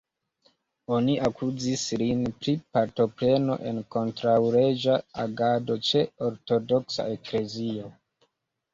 Oni akuzis lin pri partopreno en kontraŭleĝa agado ĉe Ortodoksa Eklezio.